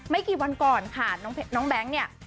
กี่วันก่อนค่ะน้องแบงค์เนี่ย